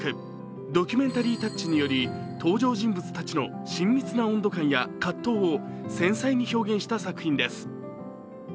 ドキュメンタリータッチにより登場人物たちの親密な温度感や葛藤を繊細に表現した作品です。